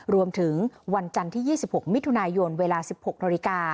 รวมถึงวันจันทร์ที่๒๖มิถุนายนเวลา๑๖น